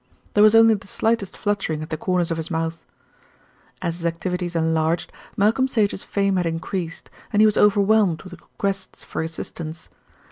There was only the slightest fluttering at the corners of his mouth. As his activities enlarged, Malcolm Sage's fame had increased, and he was overwhelmed with requests for assistance.